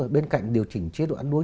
bên cạnh điều chỉnh chế độ ăn uống